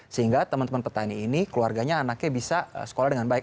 sehingga teman teman petani ini keluarganya anaknya bisa sekolah dengan baik